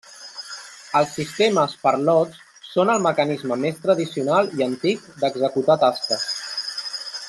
Els sistemes per lots són el mecanisme més tradicional i antic d'executar tasques.